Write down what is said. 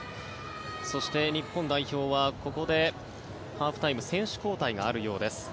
そして、日本代表はここでハーフタイム選手交代があるようです。